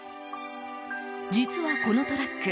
実はこのトラック